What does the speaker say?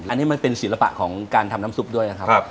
อันนี้มันเป็นศิลปะของการทำน้ำซุปด้วยนะครับ